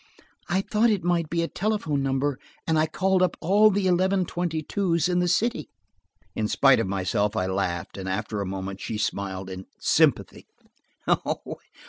"I thought it might be a telephone number, and I called up all the eleven twenty twos in the city." In spite of myself, I laughed, and after a moment she smiled in sympathy.